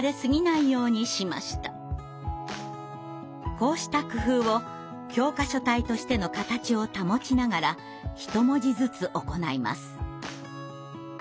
こうした工夫を教科書体としての形を保ちながらひと文字ずつ行います。